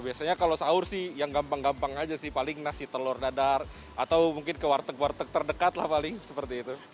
biasanya kalau sahur sih yang gampang gampang aja sih paling nasi telur dadar atau mungkin ke warteg warteg terdekat lah paling seperti itu